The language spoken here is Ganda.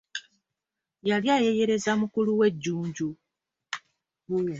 Yali ayeeyereza mukulu we Jjunju.